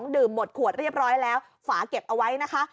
ดื่มหมดขวดเรียบร้อยแล้วฝาเก็บเอาไว้นะคะ